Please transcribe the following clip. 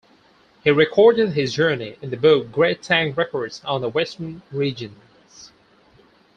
He recorded his journey in the book "Great Tang Records on the Western Regions".